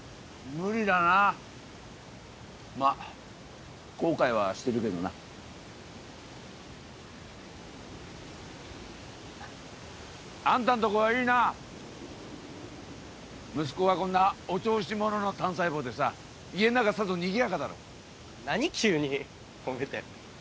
無理だなまあ後悔はしてるけどなあんたんとこはいいな息子がこんなお調子者の単細胞でさ家ん中さぞにぎやかだろ何急に褒めていや褒めてへんやん